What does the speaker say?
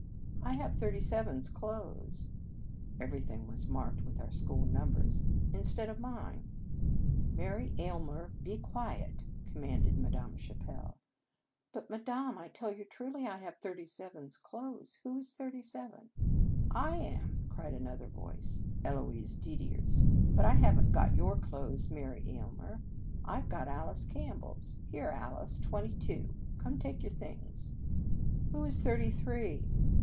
" I have thirty seven s clothes " (everything was marked with our school numbers), " instead of mine." "Mary Aylmer, be quiet!" com manded Madame Chapelle. "But, Madame, I tell you truly, I have thirty seven s clothes. Who is thirty seven? " "I am," cried another voice, Eloise Didier s. " But I have n t got your clothes, Mary Aylmer. I ve got Alice Campbell s. Here, Alice, twenty two, come take your things." "Who is thirty three?